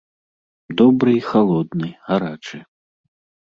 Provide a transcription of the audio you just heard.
Добры і халодны, гарачы.